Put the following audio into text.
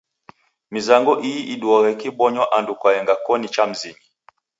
Mizango ii iduagha ikibonywa andu kwaenga koni cha mizinyi.